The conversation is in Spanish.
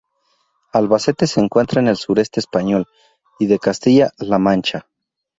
Albacete se encuentra en el sureste español, y de Castilla-La Mancha.